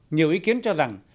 nhiều ý kiến cho rằng